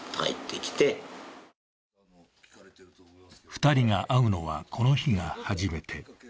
２人が会うのは、この日が初めて。